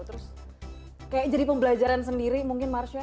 terus kayaknya jadi pembelajaran sendiri mungkin marsha